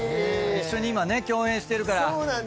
一緒に今ね共演してるから。